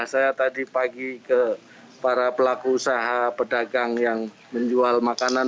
saya tadi pagi ke para pelaku usaha pedagang yang menjual makanan